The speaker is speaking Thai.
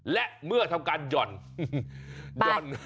และเมื่อทำการหย่อน